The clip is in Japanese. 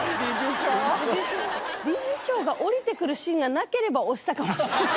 理事長が下りてくるシーンがなければ押したかもしれない。